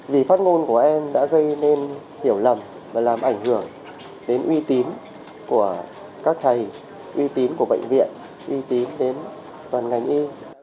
vì phát ngôn của em đã gây nên hiểu lầm và làm ảnh hưởng đến uy tín của các thầy uy tín của bệnh viện uy tín đến toàn ngành y